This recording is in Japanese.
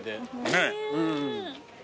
ねえ。